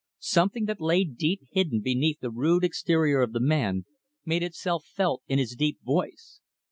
Something, that lay deep hidden beneath the rude exterior of the man, made itself felt in his deep voice.